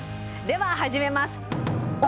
では始めます！